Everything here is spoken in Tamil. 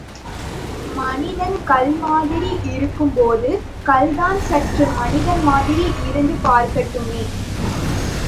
மனிதன் கல் மாதிரி இருக்கும்போது கல்தான் சற்று மனிதன் மாதிரி இருந்து பார்க்கட்டுமே.